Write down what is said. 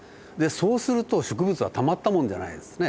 そうすると植物はたまったもんじゃないですね。